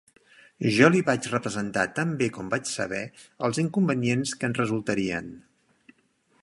Jo li vaig representar tan bé com vaig saber els inconvenients que en resultarien.